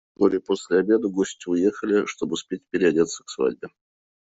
Вскоре после обеда гости уехали, чтоб успеть переодеться к свадьбе.